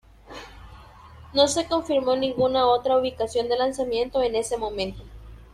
No se confirmó ninguna otra ubicación de lanzamiento en ese momento.